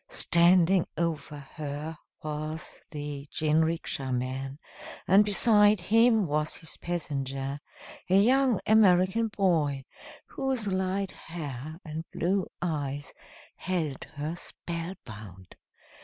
Standing over her was the jinrikisha man, and beside him was his passenger, a young American boy, whose light hair and blue eyes held her spell bound.